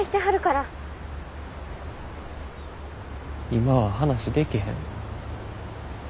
今は話できへん。